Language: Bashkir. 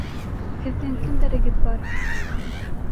Һеҙҙең кемдәрегеҙ бар?